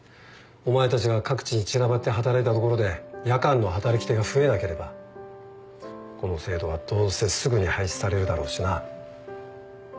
お前たちが各地に散らばって働いたところで夜間の働き手が増えなければこの制度はどうせすぐに廃止されるだろうしな